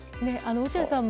落合さん